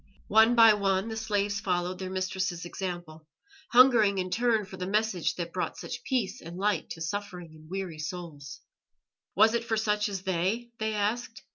One by one the slaves followed their mistress's example, hungering in their turn for the message that brought such peace and light to suffering and weary souls. Was it for such as they? they asked.